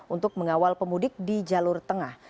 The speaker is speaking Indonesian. untuk mengawal pemudik di jalur tengah